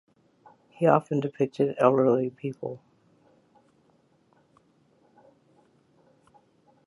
He often depicted elderly people.